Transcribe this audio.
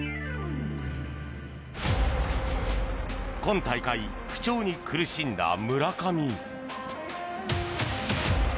今大会、不調に苦しんだ村上。